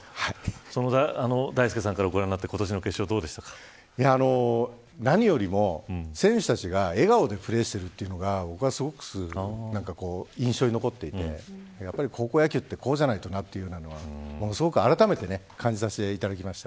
その大輔さんからご覧になった何よりも、選手たちが笑顔でプレーしているというのが僕はすごく印象に残っていて高校野球ってこうじゃないとなというのはあらためて感じさせていただきました。